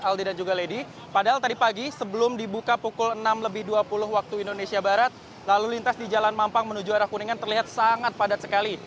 lalu lintas di jalan mampang menuju arah kuningan terlihat sangat padat sekali